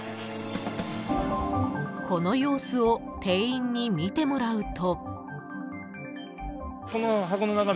［この様子を店員に見てもらうと］